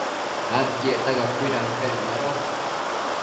adquiecta cacuidampec mado